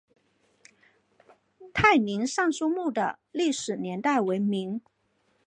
泰宁尚书墓的历史年代为明。